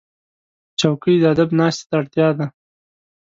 چوکۍ د ادب ناستې ته اړتیا ده.